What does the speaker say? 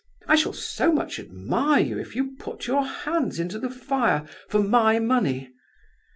I shall so much admire you if you put your hands into the fire for my money.